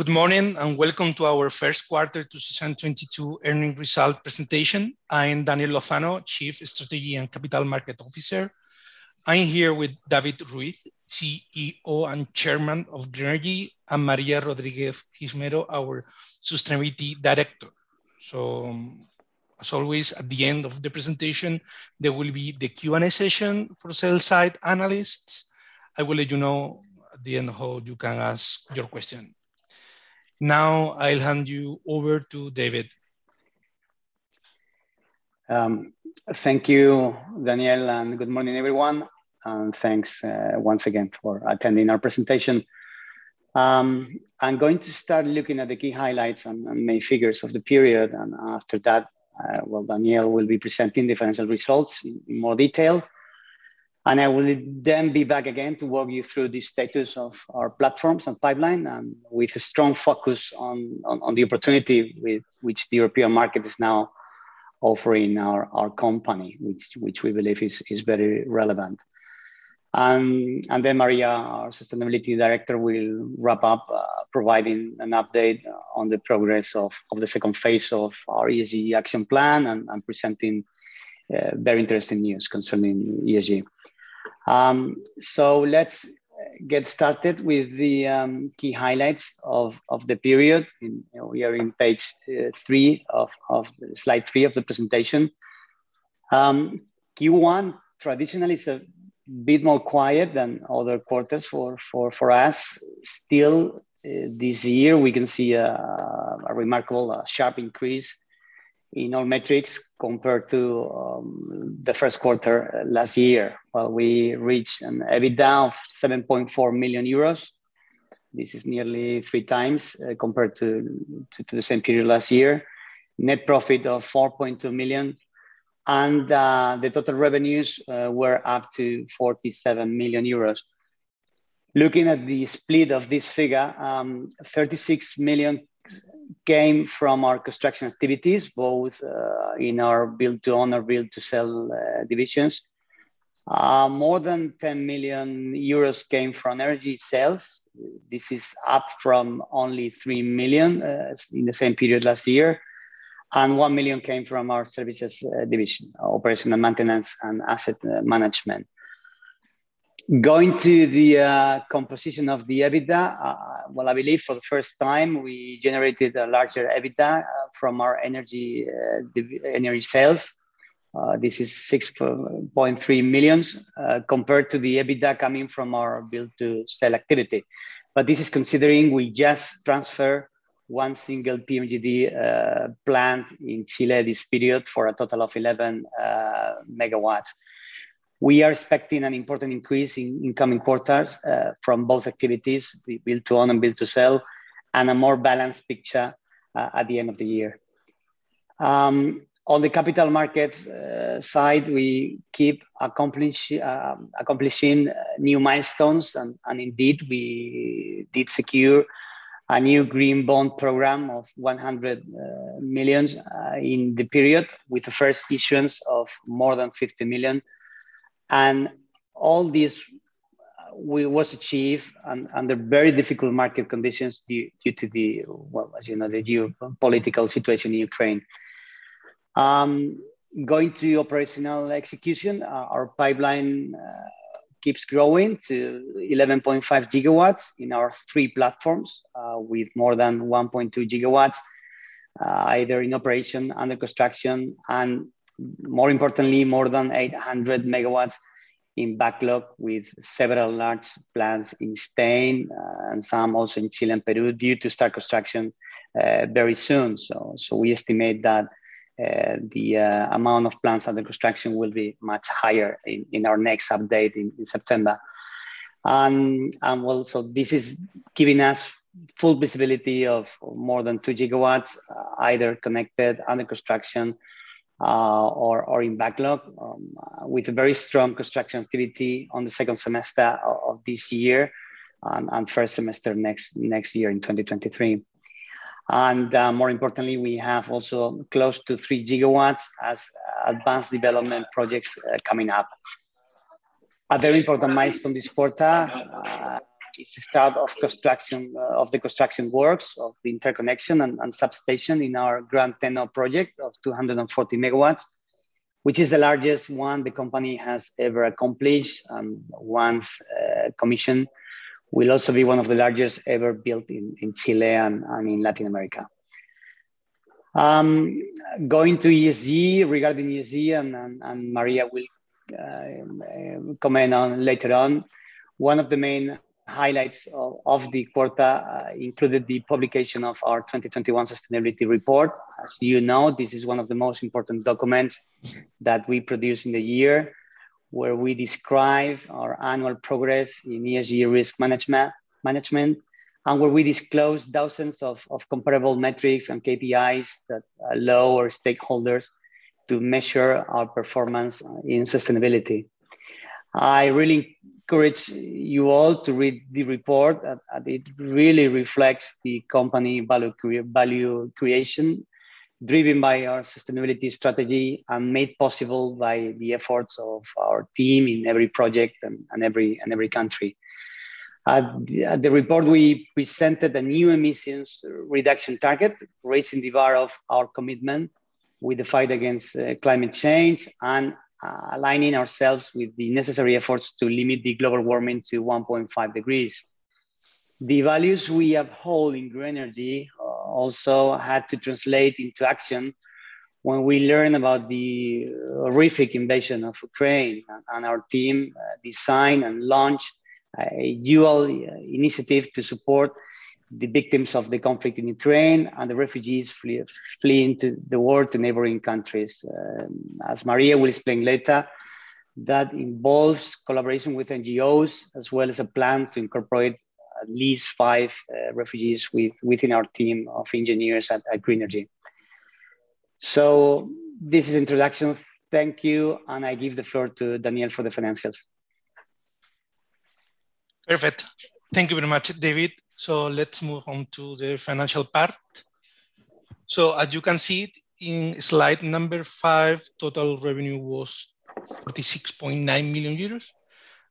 Good morning, and welcome to our Q1 2022 earnings results presentation. I am Daniel Lozano, Chief Strategy and Capital Markets Officer. I'm here with David Ruiz, CEO and Chairman of Grenergy, and María Rodríguez-Gimeno, our Sustainability Director. As always, at the end of the presentation, there will be the Q&A session for sell-side analysts. I will let you know at the end how you can ask your question. Now, I'll hand you over to David. Thank you, Daniel, and good morning, everyone, and thanks once again for attending our presentation. I'm going to start looking at the key highlights and main figures of the period, and after that, well, Daniel will be presenting the financial results in more detail. I will then be back again to walk you through the status of our platforms and pipeline, and with a strong focus on the opportunity with which the European market is now offering our company, which we believe is very relevant. Then María, our Sustainability Director, will wrap up, providing an update on the progress of the second phase of our ESG action plan and presenting very interesting news concerning ESG. Let's get started with the key highlights of the period. You know, we are on slide three of the presentation. Q1 traditionally is a bit more quiet than other quarters for us. Still, this year, we can see a remarkable, sharp increase in all metrics compared to the Q1 last year. While we reached an EBITDA of 7.4 million euros, this is nearly three times compared to the same period last year. Net profit of 4.2 million, and the total revenues were up to 47 million euros. Looking at the split of this figure, 36 million came from our construction activities, both in our build-to-own or build-to-sell divisions. More than 10 million euros came from energy sales. This is up from only 3 million in the same period last year. 1 million came from our services division, operational maintenance and asset management. Going to the composition of the EBITDA, well, I believe for the first time, we generated a larger EBITDA from our energy energy sales. This is 6.3 million compared to the EBITDA coming from our build-to-sell activity. This is considering we just transfer one single PMGD plant in Chile this period for a total of 11 MW. We are expecting an important increase in the coming quarters from both activities, build-to-own and build-to-sell, and a more balanced picture at the end of the year. On the capital markets side, we keep accomplishing new milestones, and indeed, we did secure a new green bond program of 100 million in the period with the first issuance of more than 50 million. All this was achieved under very difficult market conditions due to the, well, as you know, the geopolitical situation in Ukraine. Going to operational execution, our pipeline keeps growing to 11.5 GW in our three platforms, with more than 1.2 GW either in operation, under construction. More importantly, more than 800 MW in backlog with several large plants in Spain, and some also in Chile and Peru due to start construction very soon. We estimate that the amount of plants under construction will be much higher in our next update in September. This is giving us full visibility of more than 2 GW, either connected, under construction, or in backlog, with a very strong construction activity on the second semester of this year and first semester next year in 2023. More importantly, we have also close to 3 GW as advanced development projects coming up. A very important milestone this quarter is the start of construction of the construction works of the interconnection and substation in our Gran Teno project of 240 MW, which is the largest one the company has ever accomplished, and once commissioned, will also be one of the largest ever built in Chile and in Latin America. Going to ESG, regarding ESG, and María will comment on later on, one of the main highlights of the quarter included the publication of our 2021 sustainability report. As you know, this is one of the most important documents that we produce in the year, where we describe our annual progress in ESG risk management and where we disclose thousands of comparable metrics and KPIs that allow our stakeholders to measure our performance in sustainability. I really encourage you all to read the report. It really reflects the company value creation driven by our sustainability strategy and made possible by the efforts of our team in every project and every country. In the report, we presented a new emissions reduction target, raising the bar of our commitment with the fight against climate change and aligning ourselves with the necessary efforts to limit global warming to 1.5 degrees. The values we uphold in Grenergy also had to translate into action when we learn about the horrific invasion of Ukraine. Our team designed and launched a dual initiative to support the victims of the conflict in Ukraine and the refugees fleeing the war to neighboring countries. As María will explain later, that involves collaboration with NGOs, as well as a plan to incorporate at least five refugees within our team of engineers at Grenergy. This is introduction. Thank you, and I give the floor to Daniel for the financials. Perfect. Thank you very much, David. Let's move on to the financial part. As you can see it in slide five, total revenue was 46.9 million euros.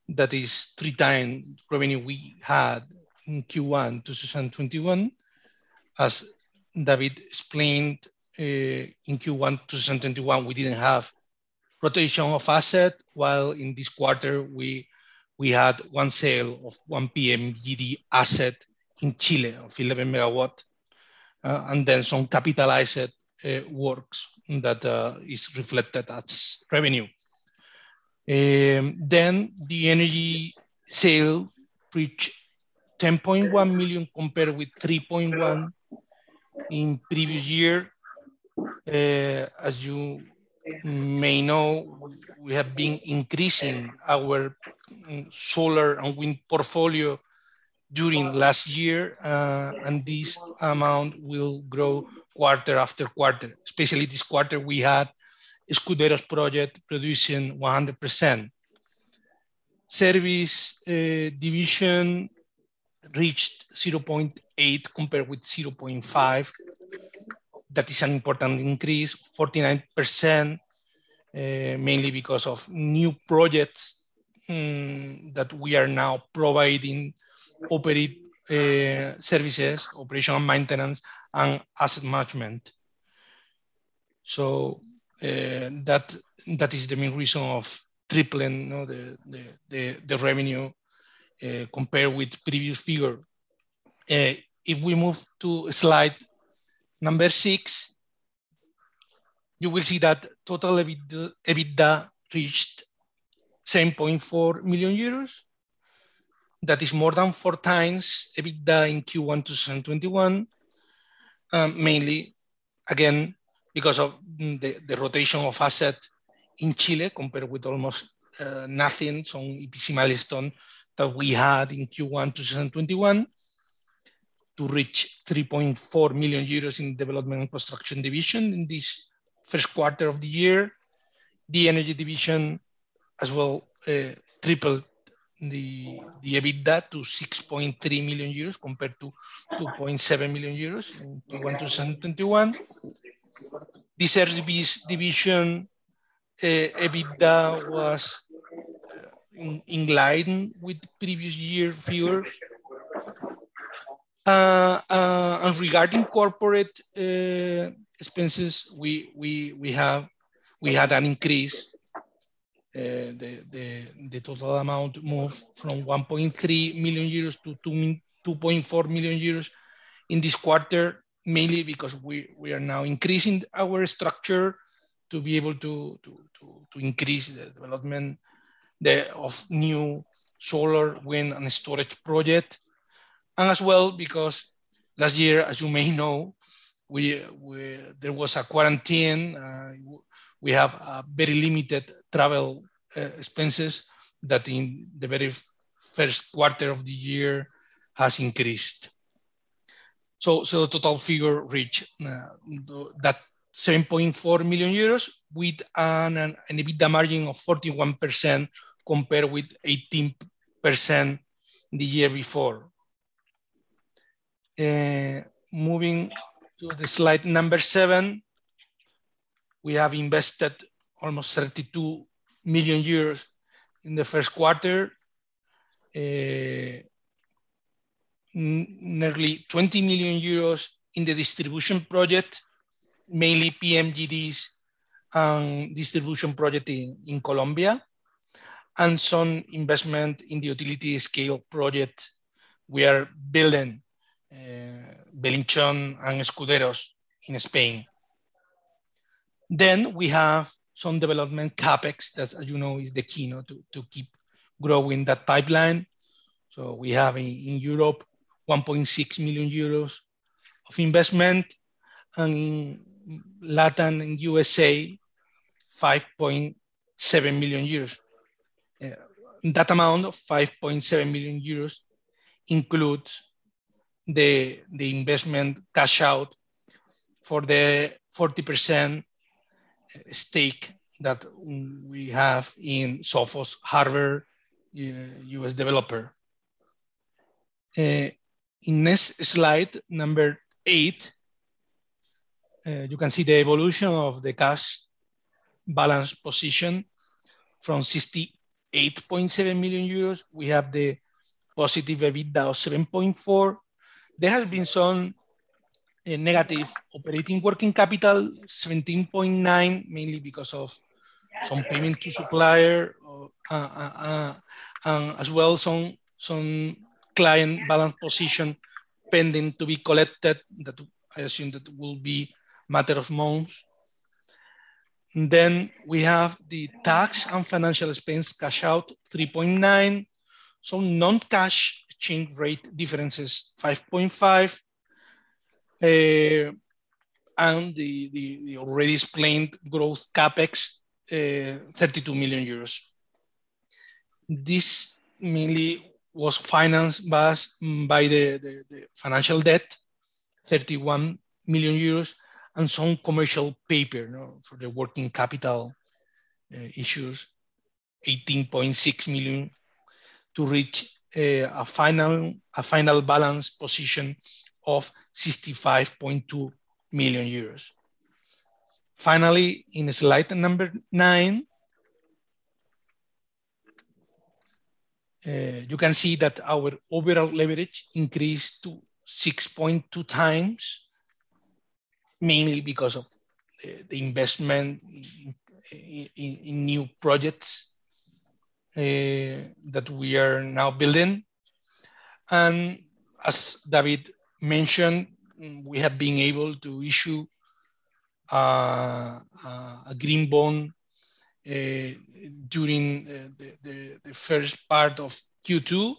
That is three times revenue we had in Q1 2021. As David explained, in Q1 2021, we didn't have rotation of asset, while in this quarter we had one sale of one PMGD asset in Chile of 11 MW, and then some capitalized works and that is reflected as revenue. Then the energy sale reached 10.1 million compared with 3.1 million in previous year. As you may know, we have been increasing our solar and wind portfolio during last year, and this amount will grow quarter after quarter. Especially this quarter, we had Escuderos project producing 100%. Services division reached 0.8% compared with 0.5%. That is an important increase, 49%, mainly because of new projects that we are now providing O&M services, operational maintenance and asset management. That is the main reason of tripling, you know, the revenue compared with previous figure. If we move to slide number six, you will see that total EBITDA reached 7.4 million euros. That is more than 4x EBITDA in Q1 2021. Mainly again, because of the rotation of asset in Chile compared with almost nothing from EPC milestone that we had in Q1 2021 to reach 3.4 million euros in development and construction division in this Q1 of the year. The energy division as well tripled the EBITDA to 6.3 million euros compared to 2.7 million euros in Q1 2021. The service-based division EBITDA was in line with previous year figures. Regarding corporate expenses, we had an increase. The total amount moved from 1.3 million-2.4 million euros in this quarter, mainly because we are now increasing our structure to be able to increase the development of new solar, wind and storage project. As well, because last year, as you may know, there was a quarantine, we had very limited travel expenses that in the very Q1 of the year has increased. The total figure reached that 7.4 million euros with an EBITDA margin of 41% compared with 18% the year before. Moving to the slide number seven, we have invested almost 32 million euros in the Q1. Nearly 20 million euros in the distribution project, mainly PMGDs and distribution project in Colombia, and some investment in the utility scale project we are building, Belinchón and Escuderos in Spain. We have some development CapEx, that as you know is the key, you know, to keep growing that pipeline. We have in Europe 1.6 million euros of investment, and in Latin and USA, 5.7 million euros. That amount of 5.7 million euros includes the investment cash out for the 40% stake that we have in Sofos Harbert, U.S. developer. In next slide, number eight, you can see the evolution of the cash balance position from 68.7 million euros. We have the positive EBITDA of 7.4 million. There has been some negative operating working capital, 17.9 million, mainly because of some payment to supplier and as well some client balance position pending to be collected that I assume will be matter of months. We have the tax and financial expense cash out, 3.9 million. Some non-cash exchange rate differences, 5.5 million. The already explained growth CapEx, 32 million euros. This mainly was financed by the financial debt, 31 million euros, and some commercial paper, you know, for the working capital issues, 18.6 million, to reach a final balance position of 65.2 million euros. Finally, in slide number nine, you can see that our overall leverage increased to 6.2x, mainly because of the investment in new projects that we are now building. As David mentioned, we have been able to issue a green bond during the first part of Q2,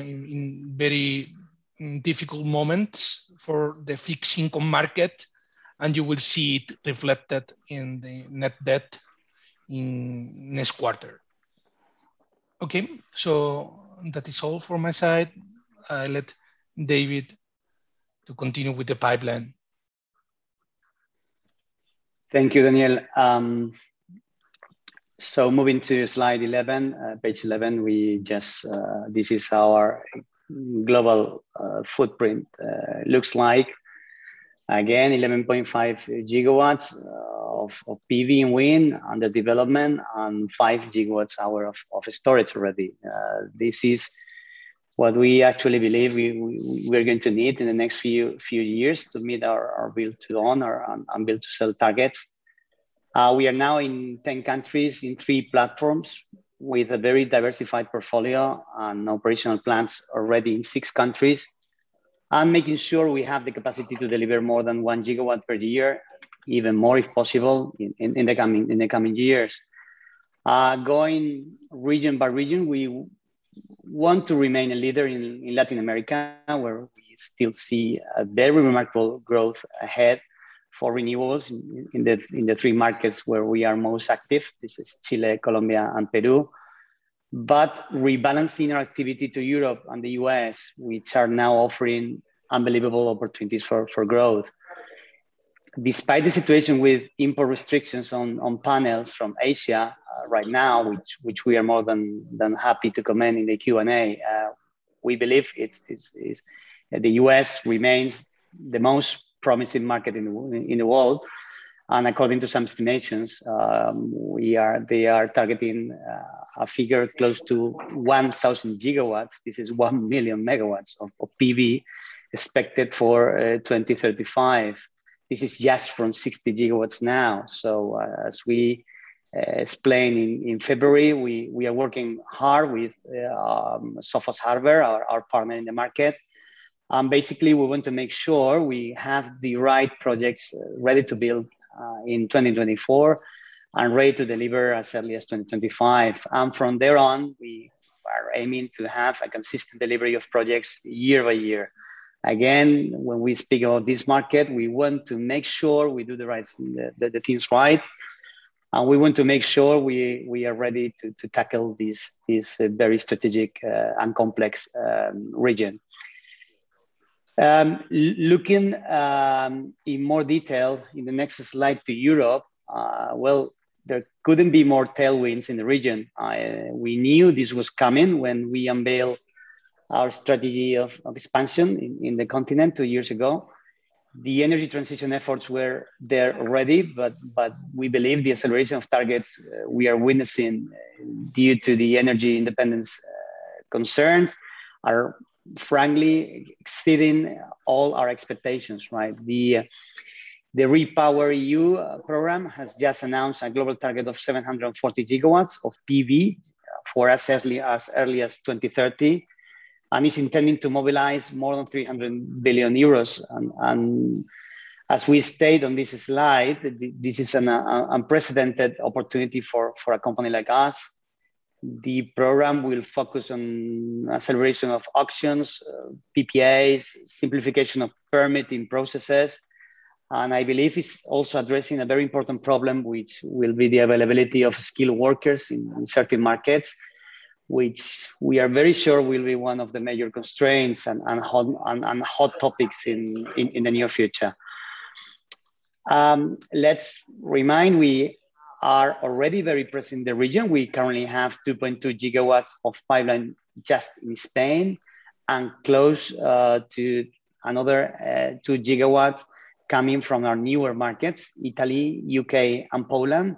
in very difficult moments for the fixed income market, and you will see it reflected in the net debt in next quarter. Okay, so that is all from my side. I let David to continue with the pipeline. Thank you, Daniel. Moving to slide 11, page 11, this is our global footprint. Again, 11.5 GW of PV and wind under development and 5 GW hours of storage already. This is what we actually believe we're going to need in the next few years to meet our build-to-own or build-to-sell targets. We are now in 10 countries in three platforms with a very diversified portfolio and operational plants already in six countries and making sure we have the capacity to deliver more than 1 GW per year, even more if possible, in the coming years. Going region by region, we want to remain a leader in Latin America, where we still see a very remarkable growth ahead for renewables in the three markets where we are most active. This is Chile, Colombia and Peru. Rebalancing our activity to Europe and the U.S., which are now offering unbelievable opportunities for growth. Despite the situation with import restrictions on panels from Asia right now, which we are more than happy to comment in the Q&A, we believe it is. The U.S. remains the most promising market in the world, and according to some estimations, they are targeting a figure close to 1,000 GW. This is 1 million MW of PV expected for 2035. This is just from 60 GW now. As we explained in February, we are working hard with Sofos Harbert, our partner in the market. Basically, we want to make sure we have the right projects ready to build in 2024 and ready to deliver as early as 2025. From there on, we are aiming to have a consistent delivery of projects year-over-year. Again, when we speak about this market, we want to make sure we do the right things right, and we want to make sure we are ready to tackle this very strategic and complex region. Looking in more detail in the next slide to Europe, well, there couldn't be more tailwinds in the region. We knew this was coming when we unveiled our strategy of expansion in the continent two years ago. The energy transition efforts were there already, but we believe the acceleration of targets we are witnessing due to the energy independence concerns are frankly exceeding all our expectations, right? The REPowerEU program has just announced a global target of 740 GW of PV for as early as 2030, and is intending to mobilize more than 300 billion euros. As we said on this slide, this is an unprecedented opportunity for a company like us. The program will focus on acceleration of auctions, PPAs, simplification of permitting processes, and I believe it's also addressing a very important problem, which will be the availability of skilled workers in certain markets, which we are very sure will be one of the major constraints and hot topics in the near future. Let's remind we are already very present in the region. We currently have 2.2 GW of pipeline just in Spain, and close to another 2 GW coming from our newer markets, Italy, U.K., and Poland.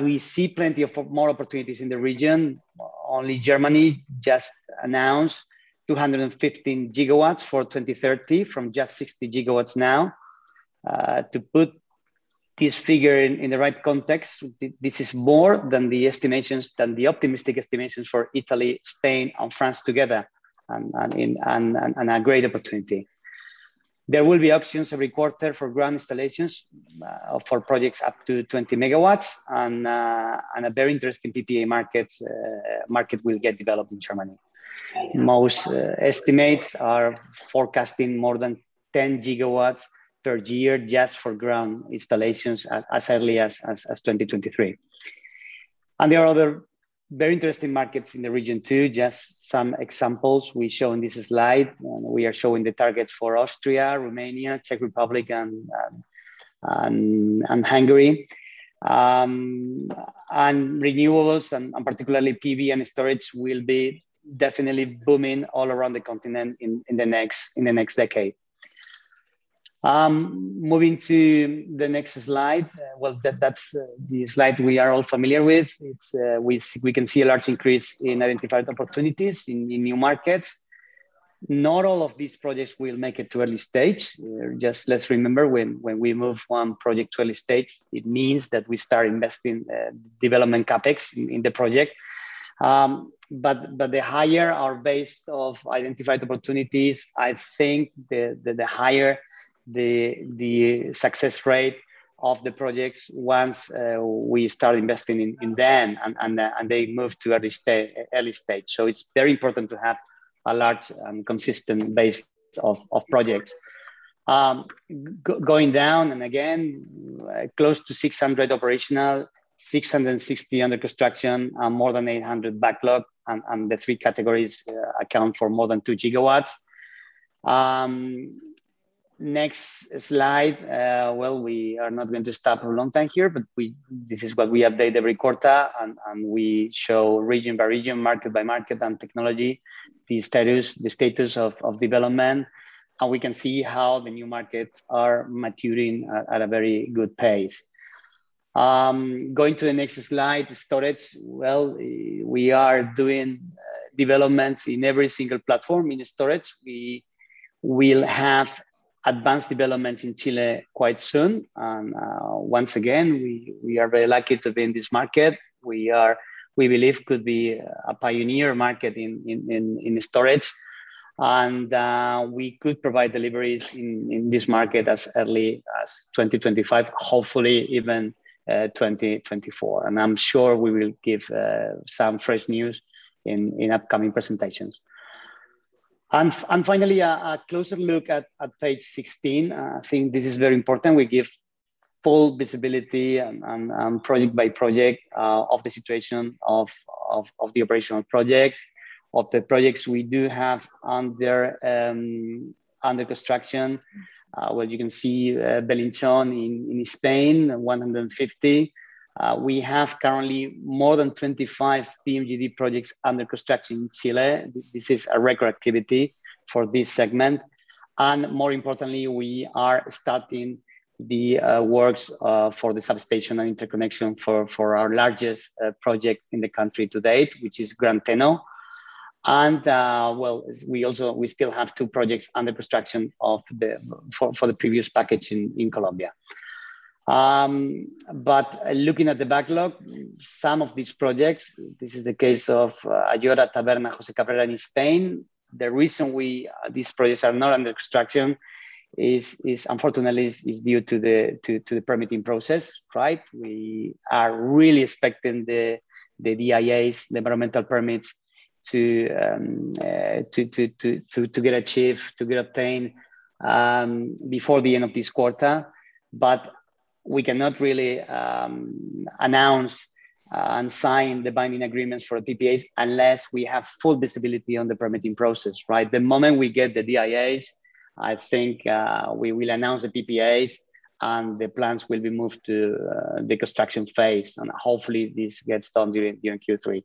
We see plenty of more opportunities in the region. Only Germany just announced 215 GW for 2030 from just 60 GW now. To put this figure in the right context, this is more than the optimistic estimations for Italy, Spain, and France together, and a great opportunity. There will be auctions every quarter for ground installations for projects up to 20 MW and a very interesting PPA market will get developed in Germany. Most estimates are forecasting more than 10 GW per year just for ground installations as early as 2023. There are other very interesting markets in the region too. Just some examples we show in this slide. We are showing the targets for Austria, Romania, Czech Republic, and Hungary. Renewables, particularly PV and storage, will be definitely booming all around the continent in the next decade. Moving to the next slide. That's the slide we are all familiar with. We can see a large increase in identified opportunities in new markets. Not all of these projects will make it to early stage. Just let's remember when we move one project to early stage, it means that we start investing development CapEx in the project. But the higher our base of identified opportunities, I think the higher the success rate of the projects once we start investing in them and they move to early stage. So it's very important to have a large and consistent base of projects. Going down, again, close to 600 operational, 660 under construction, and more than 800 backlog, and the three categories account for more than 2 GW. Next slide. Well, we are not going to stop for a long time here, but this is what we update every quarter and we show region by region, market by market, and technology, the status of development, and we can see how the new markets are maturing at a very good pace. Going to the next slide, storage. Well, we are doing developments in every single platform in storage. We will have advanced development in Chile quite soon, and once again, we are very lucky to be in this market. We believe could be a pioneer market in storage. We could provide deliveries in this market as early as 2025, hopefully even 2024. I'm sure we will give some fresh news in upcoming presentations. Finally, a closer look at page 16. I think this is very important. We give full visibility and project by project of the situation of the operational projects, of the projects we do have under construction. You can see Belinchón in Spain, 150. We have currently more than 25 PMGD projects under construction in Chile. This is a record activity for this segment. More importantly, we are starting the works for the substation and interconnection for our largest project in the country to date, which is Gran Teno. We still have two projects under construction for the previous package in Colombia. Looking at the backlog, some of these projects, this is the case of Ayora, Tabernas, José Cabrera in Spain. The reason these projects are not under construction is unfortunately due to the permitting process, right? We are really expecting the DIAs, the environmental permits to get obtained before the end of this quarter. We cannot really announce and sign the binding agreements for PPAs unless we have full visibility on the permitting process, right? The moment we get the DIAs, I think, we will announce the PPAs, and the plants will be moved to the construction phase. Hopefully, this gets done during Q3.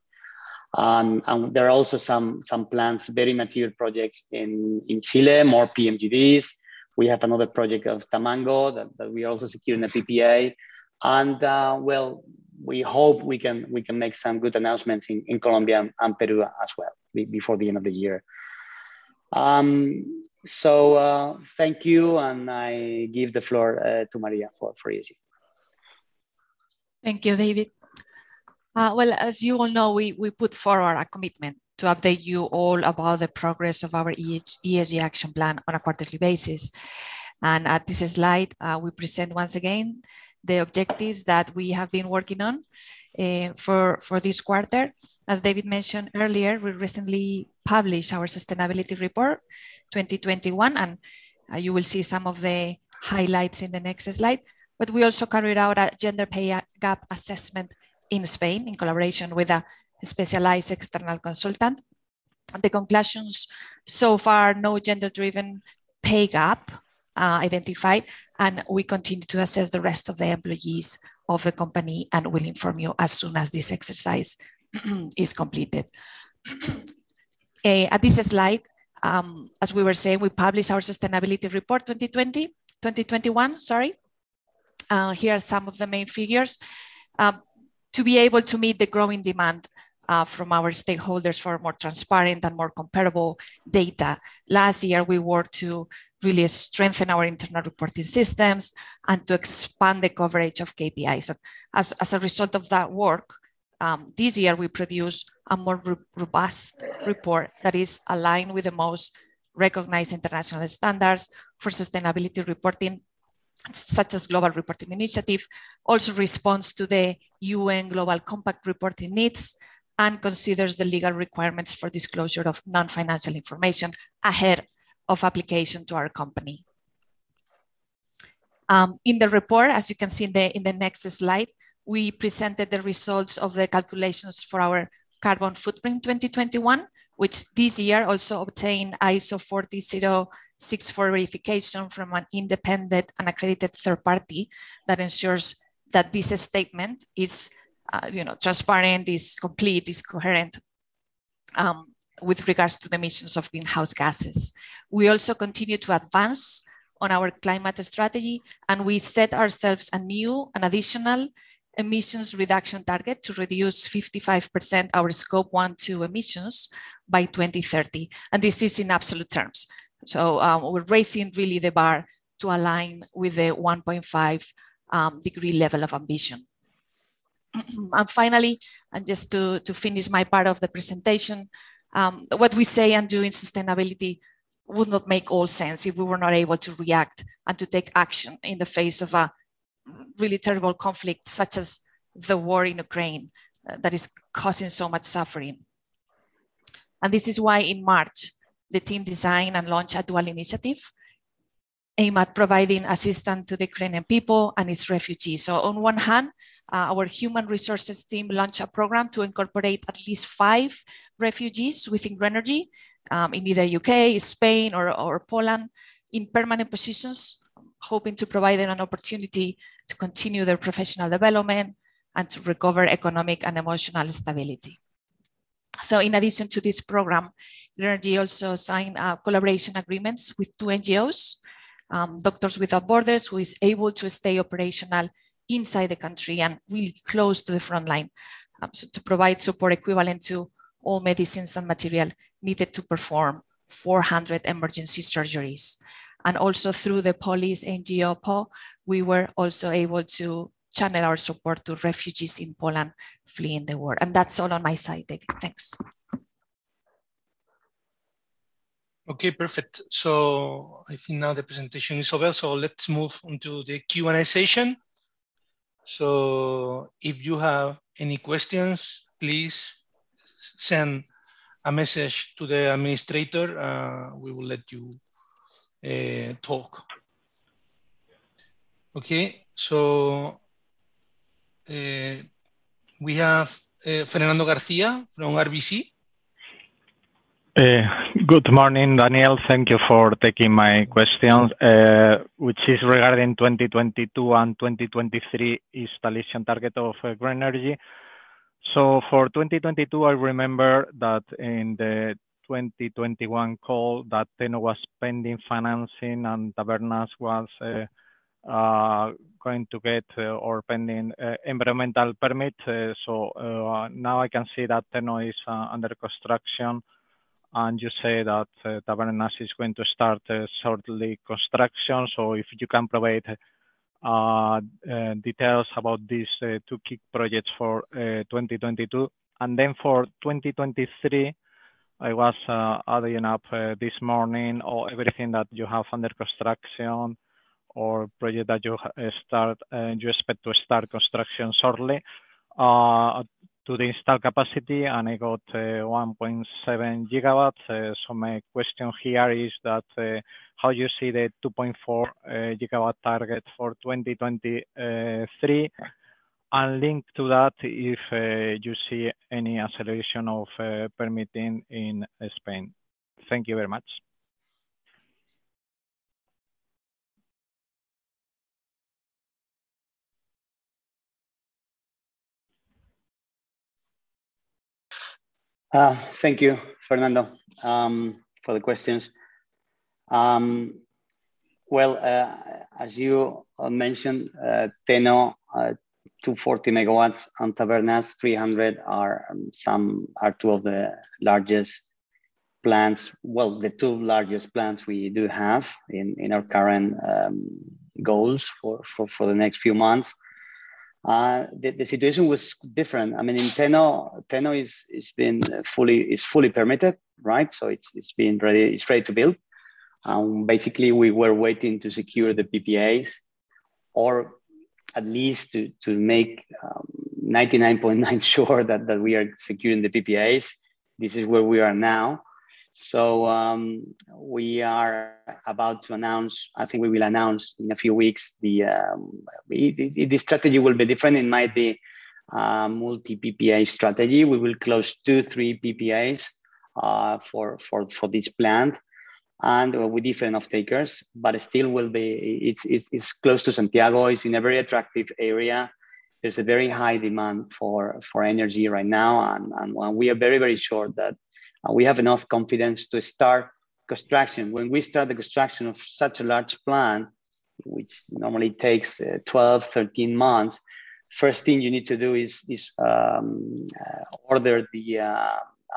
There are also some plans, very material projects in Chile, more PMGDs. We have another project of Tamango that we are also securing a PPA. We hope we can make some good announcements in Colombia and Peru as well, before the end of the year. Thank you, and I give the floor to María for ESG. Thank you, David. Well, as you all know, we put forward a commitment to update you all about the progress of our ESG action plan on a quarterly basis. At this slide, we present once again the objectives that we have been working on for this quarter. As David mentioned earlier, we recently published our sustainability report 2021, and you will see some of the highlights in the next slide. We also carried out a gender pay gap assessment in Spain in collaboration with a specialized external consultant. The conclusions so far, no gender-driven pay gap identified, and we continue to assess the rest of the employees of the company and will inform you as soon as this exercise is completed. At this slide, as we were saying, we published our sustainability report 2021, sorry. Here are some of the main figures. To be able to meet the growing demand from our stakeholders for more transparent and more comparable data, last year we worked to really strengthen our internal reporting systems and to expand the coverage of KPIs. As a result of that work, this year we produced a more robust report that is aligned with the most recognized international standards for sustainability reporting, such as Global Reporting Initiative, also responds to the UN Global Compact reporting needs, and considers the legal requirements for disclosure of non-financial information ahead of application to our company. In the report, as you can see in the next slide, we presented the results of the calculations for our carbon footprint 2021, which this year also obtained ISO 14064 verification from an independent and accredited third party that ensures that this statement is, you know, transparent, is complete, is coherent, with regards to the emissions of greenhouse gases. We also continue to advance on our climate strategy, and we set ourselves a new and additional emissions reduction target to reduce 55% our scope one, two emissions by 2030, and this is in absolute terms. We're raising really the bar to align with the 1.5 degree level of ambition. Finally, and just to finish my part of the presentation, what we say and do in sustainability would not make all sense if we were not able to react and to take action in the face of a really terrible conflict such as the war in Ukraine that is causing so much suffering. This is why in March, the team designed and launched a dual initiative aimed at providing assistance to the Ukrainian people and its refugees. On one hand, our human resources team launched a program to incorporate at least five refugees within Grenergy, in either U.K., Spain or Poland, in permanent positions, hoping to provide them an opportunity to continue their professional development and to recover economic and emotional stability. In addition to this program, Grenergy also signed collaboration agreements with two NGOs, Doctors Without Borders, who is able to stay operational inside the country and really close to the front line, so to provide support equivalent to all medicines and material needed to perform 400 emergency surgeries. Also through the Polish NGO, PAH, we were also able to channel our support to refugees in Poland fleeing the war. That's all on my side, David. Thanks. Okay, perfect. I think now the presentation is over, so let's move into the Q&A session. If you have any questions, please send a message to the administrator. We will let you talk. Okay. We have Fernando García from RBC. Good morning, Daniel. Thank you for taking my questions, which is regarding 2022 and 2023 installation target of Grenergy. For 2022, I remember that in the 2021 call that Gran Teno was pending financing and Tabernas was going to get or pending environmental permit. Now I can see that Gran Teno is under construction, and you say that Tabernas is going to start shortly construction. If you can provide details about these two key projects for 2022? For 2023, I was adding up this morning everything that you have under construction or project that you expect to start construction shortly to the install capacity, and I got 1.7 GW. My question here is that, how you see the 2.4 GW target for 2023, and linked to that, if you see any acceleration of permitting in Spain? Thank you very much. Thank you, Fernando, for the questions. Well, as you mentioned, Teno, 240 MW, and Tabernas, 300 are two of the largest plants, the two largest plants we do have in our current goals for the next few months. The situation was different. I mean, in Teno is fully permitted, right? So it's been ready. It's ready to build. Basically, we were waiting to secure the PPAs or at least to make 99.9 sure that we are securing the PPAs. This is where we are now. We are about to announce. I think we will announce in a few weeks the strategy will be different. It might be multi-PPA strategy. We will close two-three PPAs for this plant and with different off-takers, but it still will be. It's close to Santiago. It's in a very attractive area. There's a very high demand for energy right now and we are very sure that we have enough confidence to start construction. When we start the construction of such a large plant, which normally takes 12, 13 months, first thing you need to do is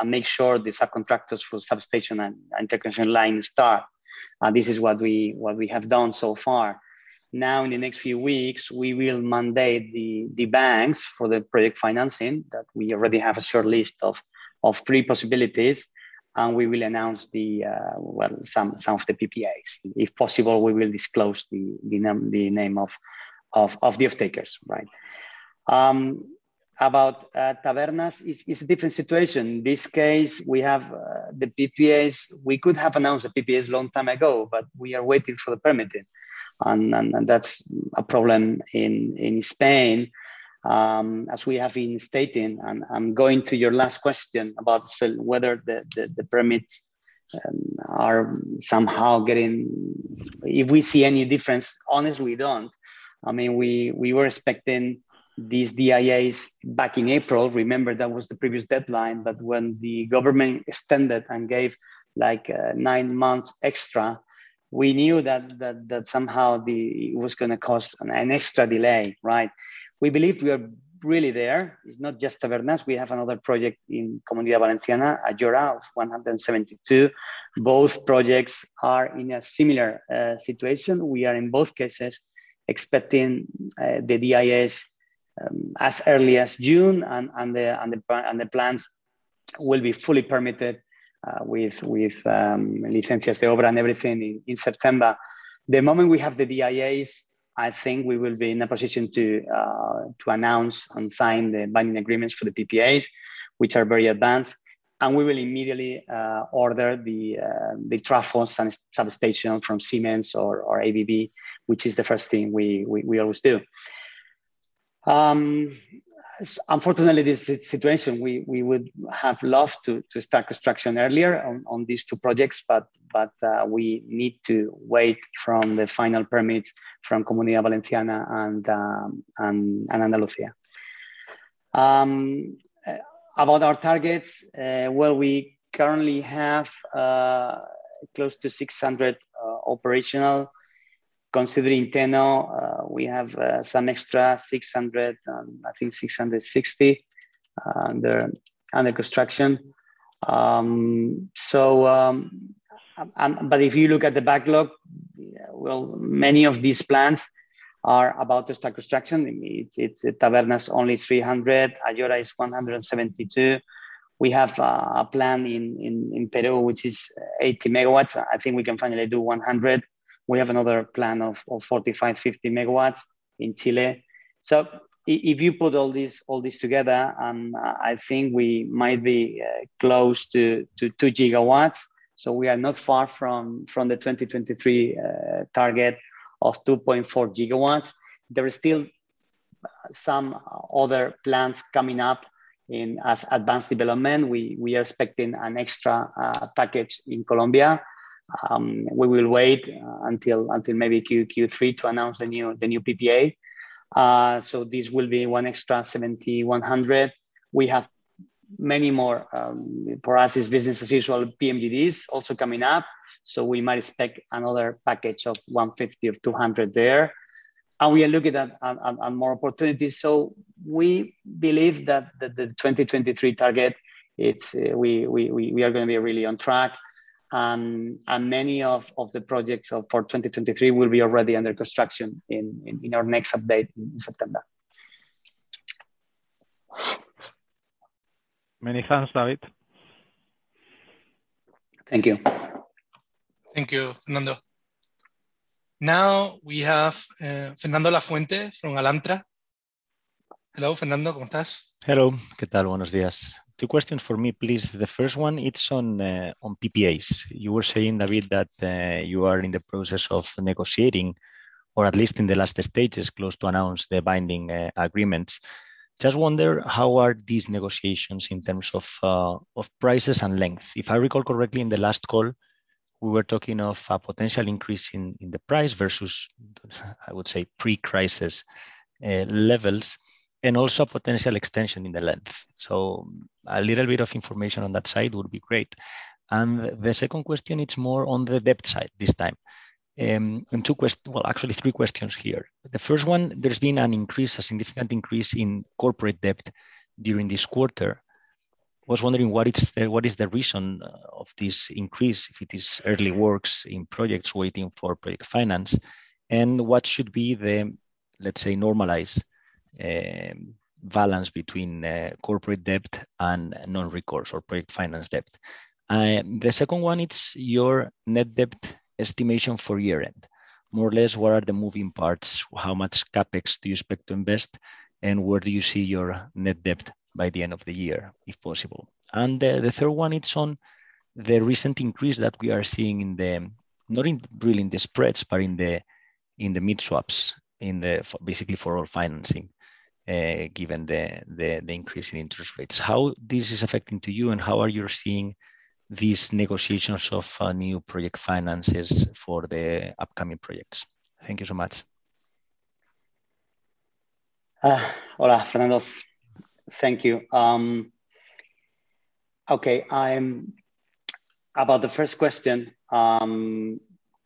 make sure the subcontractors for substation and integration line start. This is what we have done so far. Now, in the next few weeks, we will mandate the banks for the project financing, that we already have a short list of three possibilities, and we will announce some of the PPAs. If possible, we will disclose the name of the off-takers, right? About Tabernas, it's a different situation. This case we have the PPAs. We could have announced the PPAs long time ago, but we are waiting for the permitting and that's a problem in Spain, as we have been stating. I'm going to your last question about whether the permits are somehow getting. If we see any difference? Honestly, we don't. I mean, we were expecting these DIAs back in April. Remember, that was the previous deadline. When the government extended and gave, like, nine months extra, we knew that somehow it was gonna cause an extra delay, right? We believe we are really there. It's not just Tabernas. We have another project in Comunidad Valenciana, Ayora, 172. Both projects are in a similar situation. We are in both cases expecting the DIAs as early as June, and the plans will be fully permitted with licencia de obra and everything in September. The moment we have the DIAs, I think we will be in a position to announce and sign the binding agreements for the PPAs, which are very advanced. We will immediately order the transformers and substation from Siemens or ABB, which is the first thing we always do. Unfortunately, this situation, we would have loved to start construction earlier on these two projects, but we need to wait for the final permits from Comunidad Valenciana and Andalusia. About our targets, well, we currently have close to 600 operational. Considering Gran Teno, we have some extra 600, I think 660 under construction. If you look at the backlog, well, many of these plants are about to start construction. It's Tabernas only 300. Ayora is 172. We have a plant in Peru, which is 80 MW. I think we can finally do 100. We have another plant of 45 GW, 50 MW in Chile. If you put all this together, I think we might be close to 2 GW. We are not far from the 2023 target of 2.4 GW. There is still some other plants coming up in advanced development. We are expecting an extra package in Colombia. We will wait until maybe Q3 to announce the new PPA. This will be one extra 70, 100. We have many more, for us it's business as usual, PMGDs also coming up, we might expect another package of 150 or 200 there. We are looking at more opportunities. We believe that the 2023 target, we are gonna be really on track and many of the projects for 2023 will be already under construction in our next update in September. Many thanks, David. Thank you. Thank you, Fernando. Now we have Fernando Lafuente from Alantra. Hello, Fernando. Hello. Two questions for me, please. The first one, it's on PPAs. You were saying, David, that you are in the process of negotiating, or at least in the last stages, close to announce the binding agreements. Just wonder, how are these negotiations in terms of prices and length? If I recall correctly, in the last call, we were talking of a potential increase in the price versus, I would say, pre-crisis levels, and also potential extension in the length. So a little bit of information on that side would be great. The second question, it's more on the debt side this time. Well, actually three questions here. The first one, there's been an increase, a significant increase in corporate debt during this quarter. Was wondering what is the reason of this increase, if it is early works in projects waiting for project finance? What should be the, let's say, normalized balance between corporate debt and non-recourse or project finance debt? The second one, it's your net debt estimation for year-end. More or less, what are the moving parts? How much CapEx do you expect to invest, and where do you see your net debt by the end of the year, if possible. The third one, it's on the recent increase that we are seeing, not really in the spreads, but in the mid-swaps, for basically our financing, given the increase in interest rates. How this is affecting to you, and how are you seeing these negotiations of new project finances for the upcoming projects? Thank you so much. Hola, Fernando. Thank you. Okay, about the first question, about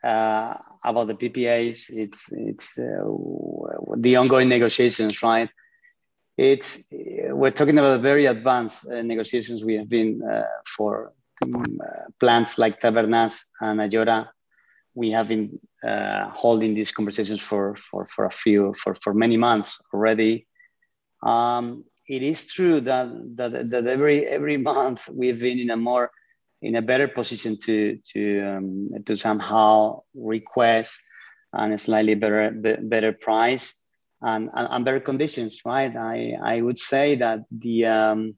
the PPAs, it's the ongoing negotiations, right? We're talking about very advanced negotiations we have been for plants like Tabernas and Ayora. We have been holding these conversations for many months already. It is true that every month we've been in a better position to somehow request on a slightly better price and better conditions, right? I would say that the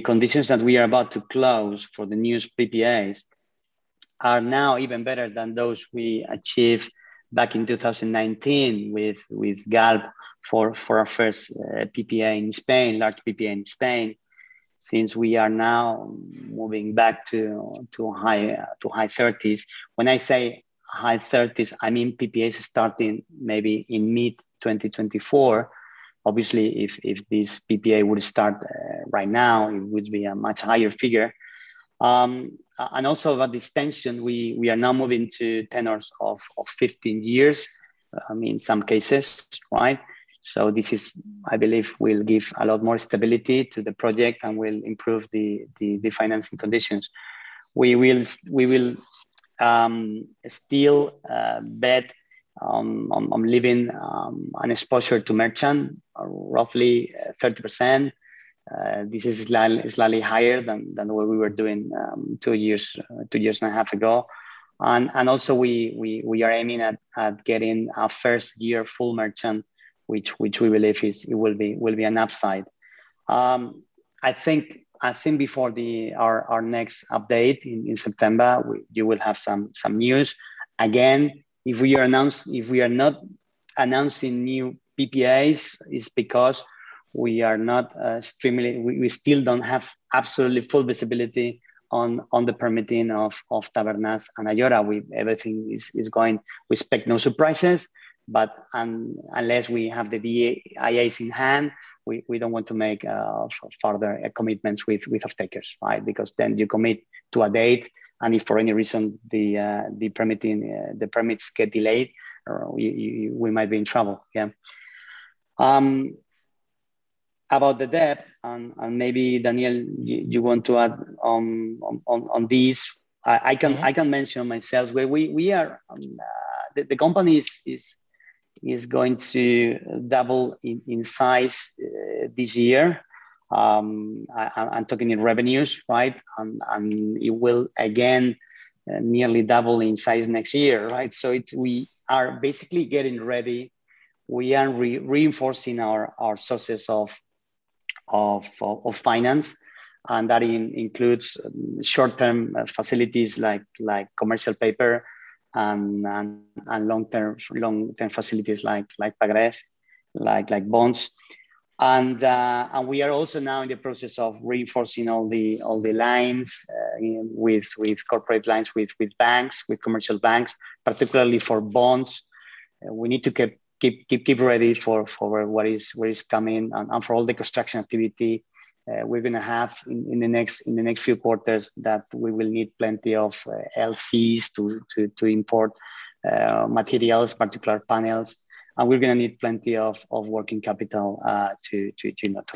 conditions that we are about to close for the newest PPAs are now even better than those we achieved back in 2019 with Galp for our first PPA in Spain, large PPA in Spain. Since we are now moving back to high thirties. When I say high thirties, I mean PPAs starting maybe in mid-2024. Obviously, if this PPA would start right now, it would be a much higher figure. Also about this tenor, we are now moving to tenors of 15 years in some cases, right? This, I believe, will give a lot more stability to the project and will improve the financing conditions. We will still bet on leaving an exposure to merchant of roughly 30%. This is slightly higher than what we were doing two years and a half ago. Also we are aiming at getting our first year full merchant, which we believe is an upside. I think before our next update in September, you will have some news. Again, if we are not announcing new PPAs, it's because we are not streaming. We still don't have absolutely full visibility on the permitting of Tabernas and Ayora. Everything is going. We expect no surprises. Unless we have the DIAs in hand, we don't want to make further commitments with off-takers, right? Because then you commit to a date, and if for any reason the permitting, the permits get delayed, we might be in trouble. Yeah. About the debt, and maybe Daniel, you want to add on this. Yeah. I can mention myself. The company is going to double in size this year. I'm talking in revenues, right? It will again nearly double in size next year, right? We are basically getting ready. We are reinforcing our sources of finance, and that includes short-term facilities like commercial paper and long-term facilities like Pagarés, like bonds. We are also now in the process of reinforcing all the lines with corporate lines, with banks, with commercial banks, particularly for bonds. We need to keep ready for what is coming and for all the construction activity we're gonna have in the next few quarters, that we will need plenty of LCs to import materials, particularly panels. We're gonna need plenty of working capital to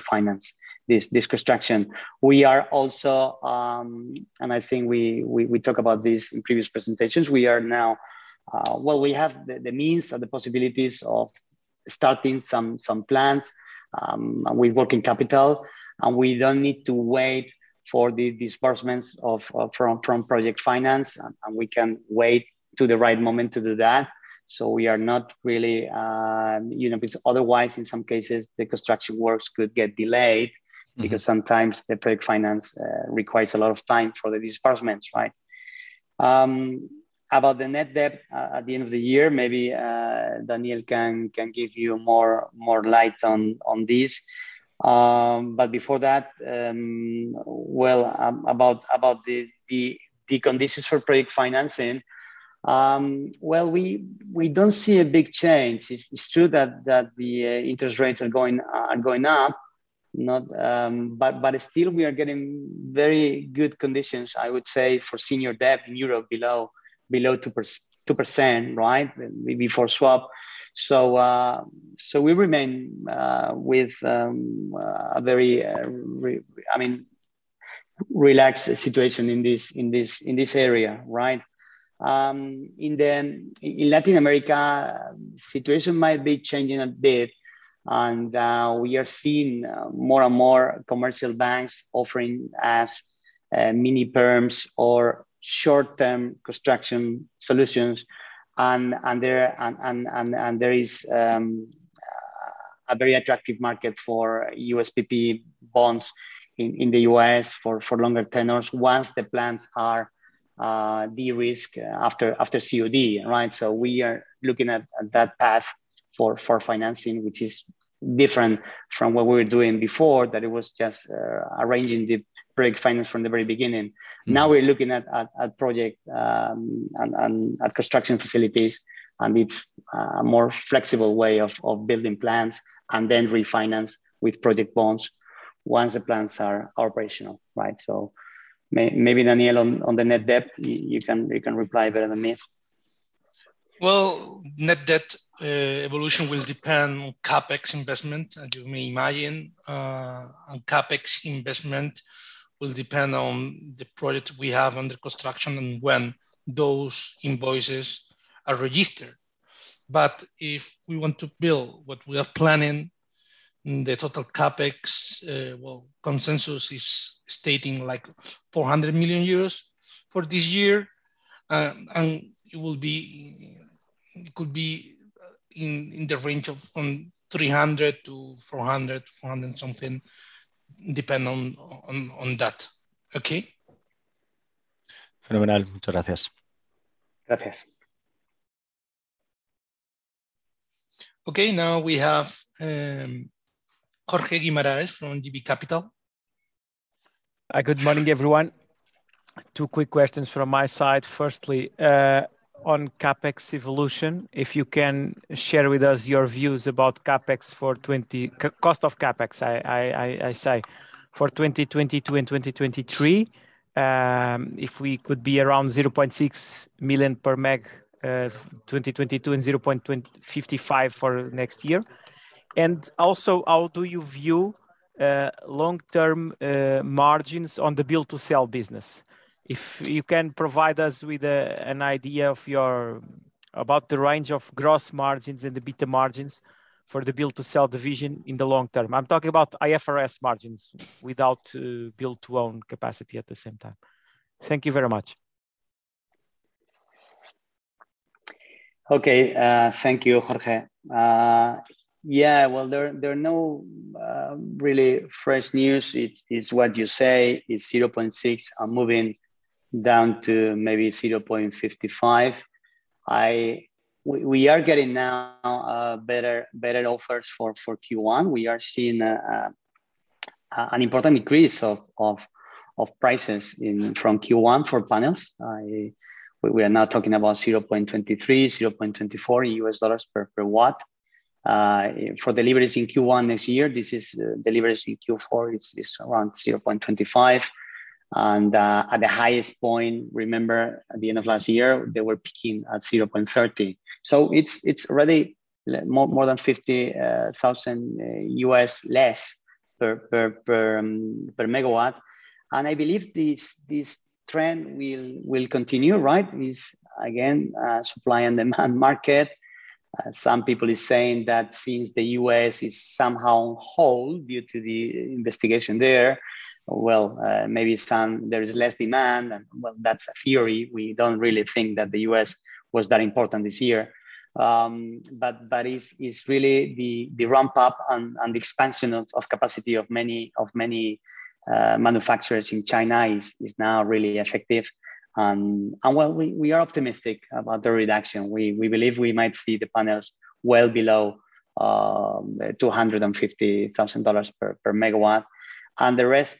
finance this construction. We are also, and I think we talked about this in previous presentations. We are now. Well, we have the means or the possibilities of starting some plant with working capital, and we don't need to wait for the disbursements from project finance. We can wait till the right moment to do that. We are not really, you know. Because otherwise, in some cases, the construction works could get delayed because sometimes the project finance requires a lot of time for the disbursements, right? About the net debt at the end of the year, maybe Daniel can give you more light on this. Before that, well, about the conditions for project financing, well, we don't see a big change. It's true that the interest rates are going up. Still we are getting very good conditions, I would say, for senior debt in Europe below 2%, right? Maybe for swap. We remain with a very relaxed situation in this area, right? In Latin America, situation might be changing a bit, and we are seeing more and more commercial banks offering us mini-perm or short-term construction solutions. There is a very attractive market for USPP bonds in the US for longer tenors once the plants are de-risked after COD, right? We are looking at that path for financing, which is different from what we were doing before, that it was just arranging the project finance from the very beginning. Now we're looking at construction facilities, and it's a more flexible way of building plants and then refinance with project bonds once the plants are operational, right? Maybe, Daniel, on the net debt, you can reply better than me. Well, net debt evolution will depend on CapEx investment, as you may imagine. CapEx investment will depend on the project we have under construction and when those invoices are registered. If we want to build what we are planning, the total CapEx, well, consensus is stating, like, 400 million euros for this year. It could be in the range of 300 million-400 million, 400 million something, depend on that. Okay? Phenomenal. Muchas gracias. Gracias. Okay. Now we have, Jorge Guimarães from JB Capital. Hi, good morning, everyone. Two quick questions from my side. Firstly, on CapEx evolution, if you can share with us your views about CapEx for the cost of CapEx, I say, for 2022 and 2023. If we could be around 0.6 million per meg, 2022, and 0.255 for next year. Also, how do you view long-term margins on the build-to-sell business? If you can provide us with an idea about the range of gross margins and the EBITDA margins for the build-to-sell division in the long term. I'm talking about IFRS margins without build-to-own capacity at the same time. Thank you very much. Okay. Thank you, Jorge. Yeah, well, there are no really fresh news. It is what you say, it's $0.6 and moving down to maybe $0.55. We are getting now better offers for Q1. We are seeing an important increase of prices from Q1 for panels. We are now talking about $0.23, $0.24 per watt for deliveries in Q1 next year. This is deliveries in Q4, it's around $0.25. At the highest point, remember at the end of last year, they were peaking at $0.30. So it's really more than $50,000 less per MW. I believe this trend will continue, right? With, again, supply and demand market. Some people is saying that since the U.S. is somehow on hold due to the investigation there, well, maybe there is less demand. Well, that's a theory. We don't really think that the U.S. was that important this year. But it's really the ramp up and the expansion of capacity of many manufacturers in China is now really effective. Well, we are optimistic about the reduction. We believe we might see the panels well below $250,000 per MW. And the rest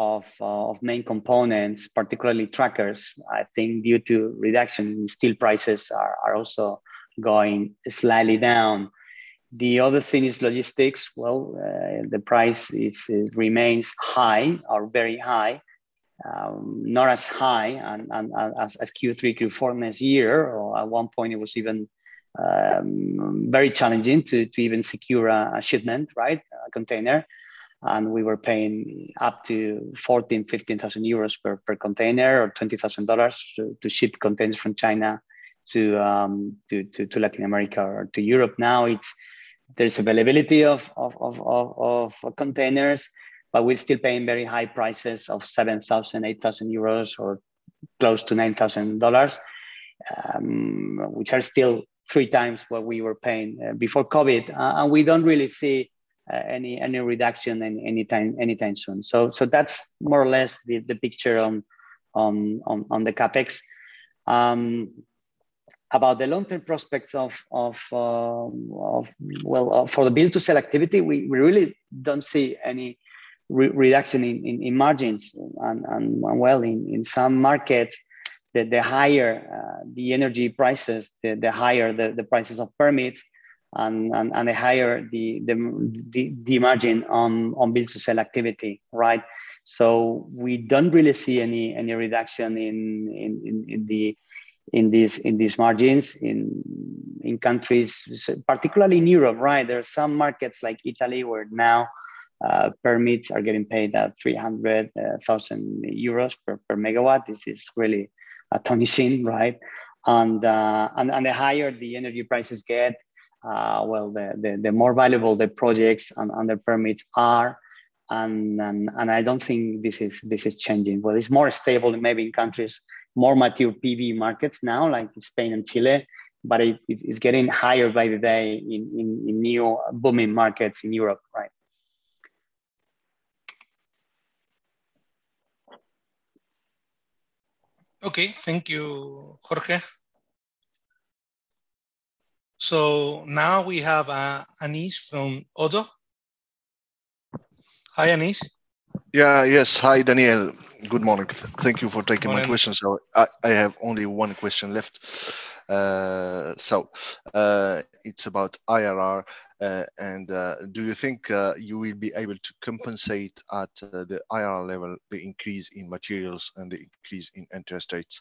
of main components, particularly trackers, I think due to reduction in steel prices, are also going slightly down. The other thing is logistics. Well, the price remains high or very high. Not as high as Q3, Q4 next year. At one point, it was even very challenging to even secure a shipment, right, a container. We were paying up to 14,000, 15,000 euros per container or $20,000 to ship containers from China to Latin America or to Europe. Now there's availability of containers, but we're still paying very high prices of 7,000, 8,000 euros or close to $9,000, which are still three times what we were paying before COVID. We don't really see any reduction anytime soon. That's more or less the picture on CapEx. About the long-term prospects. Well, for the build-to-sell activity, we really don't see any reduction in margins. In some markets, the higher the energy prices, the higher the prices of permits and the higher the margin on build-to-sell activity, right? We don't really see any reduction in these margins in countries, particularly in Europe, right? There are some markets like Italy where now permits are getting paid at 300,000 euros per MW. This is really astonishing, right? The higher the energy prices get, the more valuable the projects and the permits are. I don't think this is changing. Well, it's more stable maybe in countries, more mature PV markets now, like Spain and Chile, but it is getting higher by the day in new booming markets in Europe, right? Okay. Thank you, Jorge. Now we have, Anis from Oddo. Hi, Anis. Yeah. Yes. Hi, Daniel. Good morning. Thank you for taking- Good morning. My question, sir. I have only one question left. It's about IRR, and do you think you will be able to compensate at the IRR level, the increase in materials and the increase in interest rates,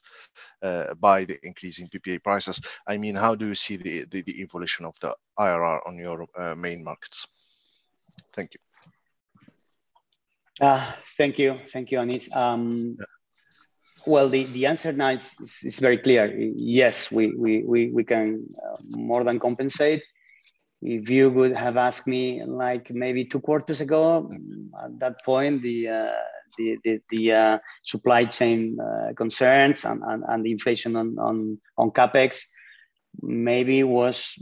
by the increase in PPA prices? I mean, how do you see the evolution of the IRR on your main markets? Thank you. Thank you. Thank you, Anis. Well, the answer now is very clear. Yes, we can more than compensate. If you would have asked me, like, maybe two quarters ago, at that point the supply chain concerns and the inflation on CapEx maybe was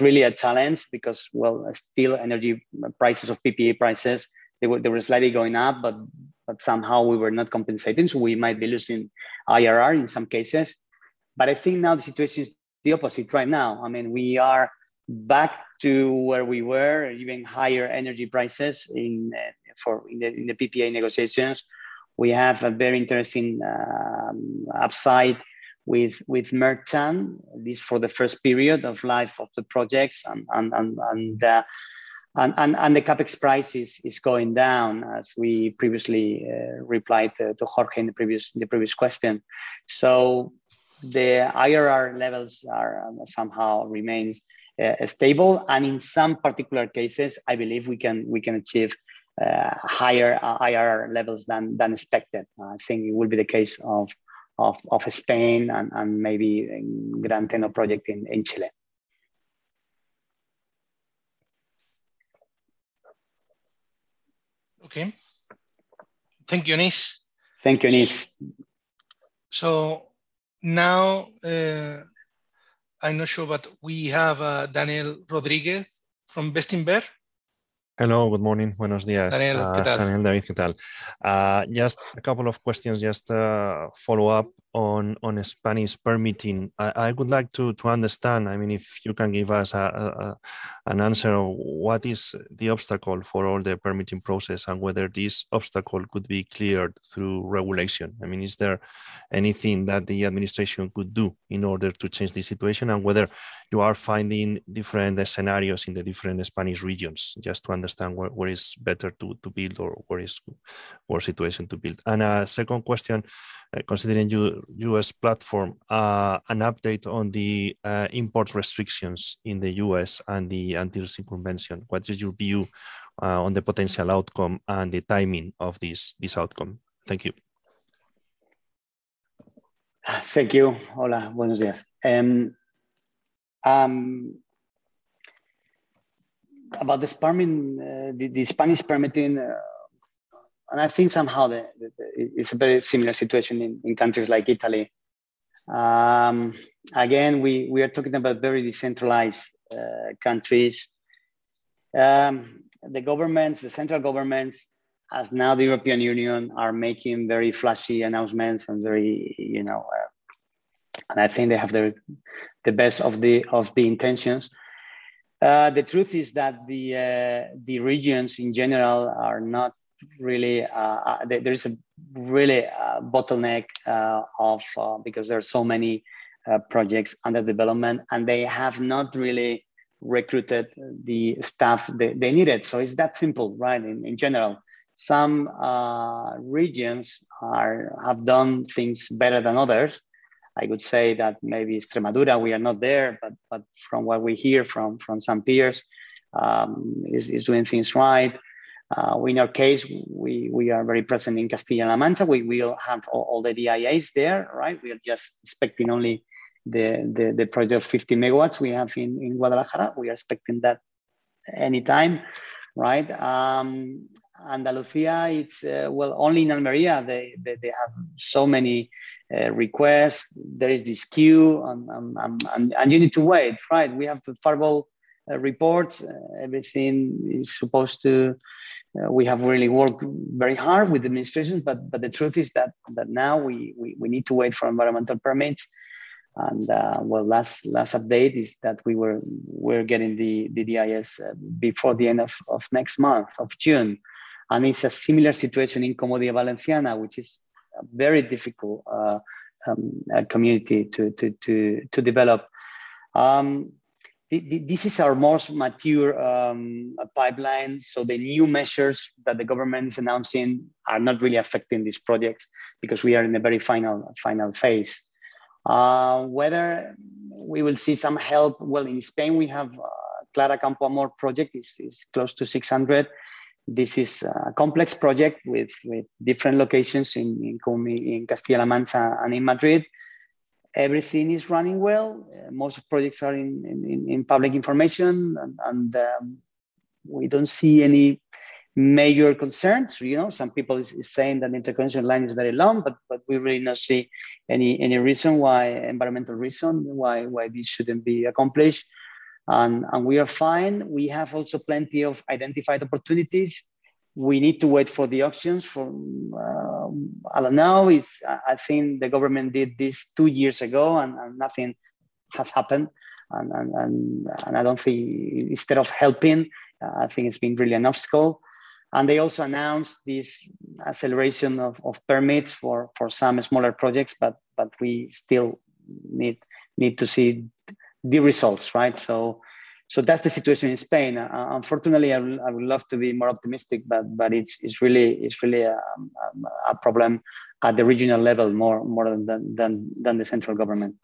really a challenge because well, still energy prices or PPA prices, they were slightly going up, but somehow we were not compensating, so we might be losing IRR in some cases. I think now the situation is the opposite right now. I mean, we are back to where we were, even higher energy prices in the PPA negotiations. We have a very interesting upside with merchant, at least for the first period of life of the projects and the CapEx prices is going down as we previously replied to Jorge in the previous question. The IRR levels are somehow remains stable, and in some particular cases, I believe we can achieve higher IRR levels than expected. I think it will be the case of Spain and maybe Gran Teno project in Chile. Okay. Thank you, Anis. Thank you, Anis. Now, I'm not sure, but we have Daniel Rodríguez from Bestinver. Hello, good morning. Buenos días. Daniel, what's up? Just a couple of questions, just to follow up on Spanish permitting. I would like to understand, I mean, if you can give us an answer on what is the obstacle for all the permitting process and whether this obstacle could be cleared through regulation. I mean, is there anything that the administration could do in order to change the situation? Whether you are finding different scenarios in the different Spanish regions, just to understand where is better to build or where is worse situation to build. A second question, considering U.S. platform, an update on the import restrictions in the U.S. and the anti-circumvention, what is your view on the potential outcome and the timing of this outcome? Thank you. Thank you. Hola. Buenos días. About the permitting, the Spanish permitting, and I think somehow it's a very similar situation in countries like Italy. Again, we are talking about very decentralized countries. The governments, the central governments, as now the European Union, are making very flashy announcements and very, you know. I think they have the best of the intentions. The truth is that the regions in general are not really. There is a real bottleneck because there are so many projects under development, and they have not really recruited the staff they needed. It's that simple, right? In general. Some regions have done things better than others. I would say that maybe Extremadura, we are not there, but from what we hear from some peers, is doing things right. In our case, we are very present in Castilla y La Mancha. We will have all the DIAs there, right? We are just expecting only the project 50 MW we have in Guadalajara. We are expecting that anytime, right? Andalusia, it's well, only in Almería, they have so many requests. There is this queue and you need to wait, right? We have the favorable reports. Everything is supposed to. We have really worked very hard with administrations, but the truth is that now we need to wait for environmental permits. Last update is that we're getting the DIAs before the end of next month, June. It's a similar situation in Comunidad Valenciana, which is a very difficult community to develop. This is our most mature pipeline, so the new measures that the government is announcing are not really affecting these projects because we are in the very final phase. Whether we will see some help, in Spain, we have Clara Campoamor project. It's close to 600. This is a complex project with different locations in Castilla y La Mancha and in Madrid. Everything is running well. Most projects are in public information and we don't see any major concerns. You know, some people is saying that interconnection line is very long, but we really not see any reason why, environmental reason why this shouldn't be accomplished. We are fine. We have also plenty of identified opportunities. We need to wait for the auctions from. Now it's, I think the government did this two years ago and I don't see. Instead of helping, I think it's been really an obstacle. They also announced this acceleration of permits for some smaller projects, but we still need to see the results, right? That's the situation in Spain. Unfortunately, I would love to be more optimistic, but it's really a problem at the regional level more than the central government.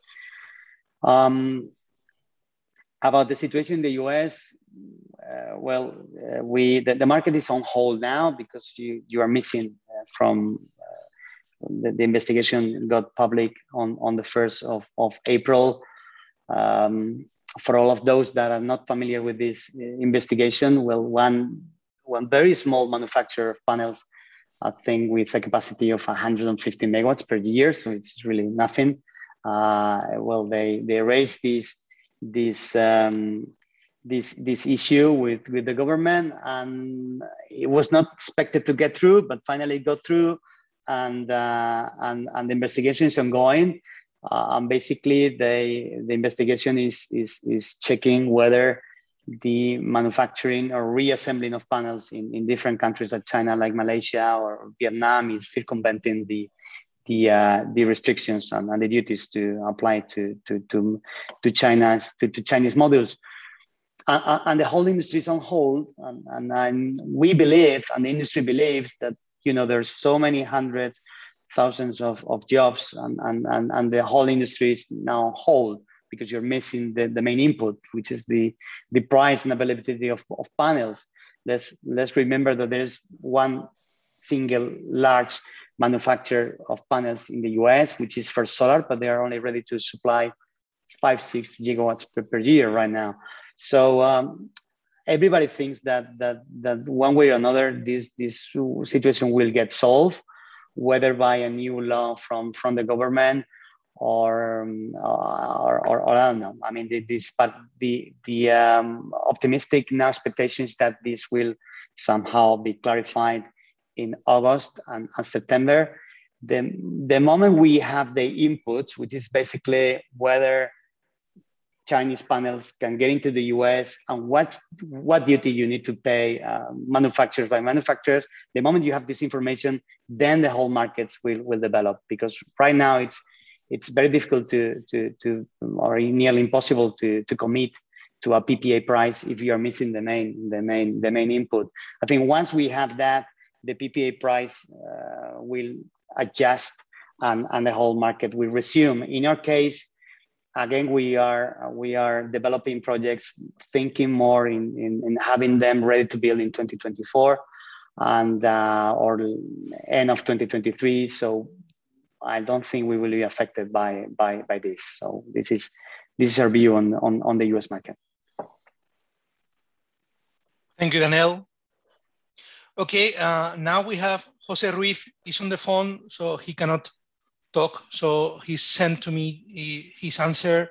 About the situation in the U.S. The market is on hold now because the investigation got public on the first of April. For all of those that are not familiar with this investigation, one very small manufacturer of panels, I think with a capacity of 150 MW per year, so it's really nothing. They raised this issue with the government, and it was not expected to get through, but finally it got through, and the investigation is ongoing. Basically they The investigation is checking whether the manufacturing or reassembling of panels in different countries like China, like Malaysia or Vietnam is circumventing the restrictions and the duties to apply to Chinese modules. The whole industry is on hold and we believe and the industry believes that, you know, there are so many hundred thousands of jobs and the whole industry is now on hold because you're missing the main input, which is the price and availability of panels. Let's remember that there is one single large manufacturer of panels in the U.S., which is First Solar, but they are only ready to supply 5 GW, 6 GW per year right now. Everybody thinks that one way or another this situation will get solved, whether by a new law from the government or I don't know. I mean, the optimistic expectation is that this will somehow be clarified in August and September. The moment we have the inputs, which is basically whether Chinese panels can get into the U.S. and what duty you need to pay manufacturer by manufacturer. The moment you have this information, then the whole markets will develop, because right now it's very difficult or nearly impossible to commit to a PPA price if you are missing the main input. I think once we have that, the PPA price will adjust and the whole market will resume. In our case, again, we are developing projects, thinking more in having them ready to build in 2024 and or end of 2023. I don't think we will be affected by this. This is our view on the U.S. market. Thank you, Daniel. Okay, now we have José Ruiz. He's on the phone, so he cannot talk. He sent to me his answer.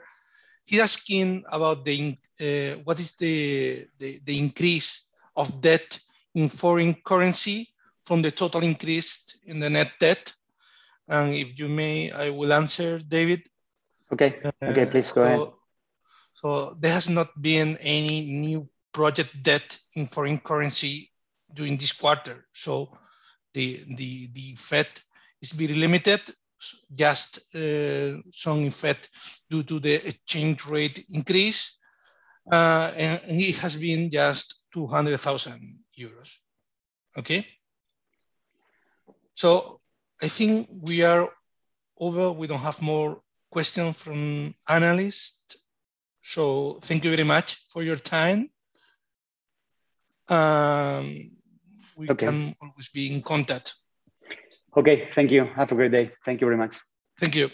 He's asking about what is the increase of debt in foreign currency from the total increase in the net debt. If you may, I will answer, David. Okay. Okay, please go ahead. There has not been any new project debt in foreign currency during this quarter. The effect is very limited. Just some effect due to the exchange rate increase, and it has been just 200,000 euros. Okay? I think we are over. We don't have more questions from analysts. Thank you very much for your time. Okay. We can always be in contact. Okay. Thank you. Have a great day. Thank you very much. Thank you.